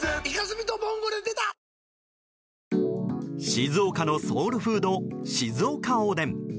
静岡のソウルフード静岡おでん。